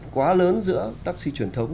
quá lớn giữa taxi truyền thống